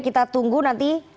kita tunggu nanti